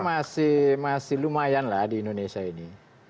saya kira masih lumayan lah di indonesia ini